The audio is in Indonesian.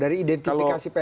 dari identifikasi psi